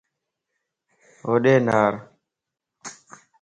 ھوڏي نارَ